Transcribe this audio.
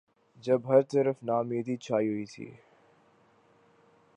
جب ہر طرف ناامیدی چھائی ہوئی تھی۔